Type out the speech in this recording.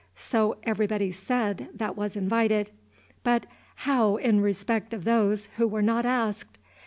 So everybody said that was invited. But how in respect of those who were not asked?